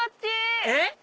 えっ？